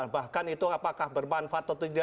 bahkan itu apakah bermanfaat atau tidak soal jalan